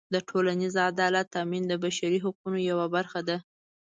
د ټولنیز عدالت تأمین د بشري حقونو یوه برخه ده.